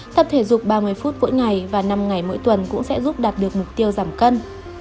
tập thể dục ba mươi phút mỗi ngày và năm ngày mỗi tuần cũng sẽ giúp đạt được mục tiêu giảm cân